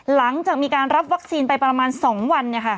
หลังจากมีการรับวัคซีนไปประมาณ๒วัน